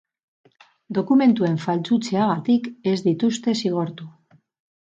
Dokumentuen faltsutzeagatik ez dituzte zigortu.